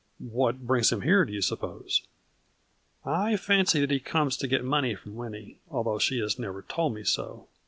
" What brings him here, do you suppose ?"" I fancy that he comes to get money from Winnie, although she has never told me so.